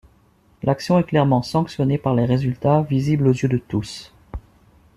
L'action est clairement sanctionnée par les résultats, visibles aux yeux de tous.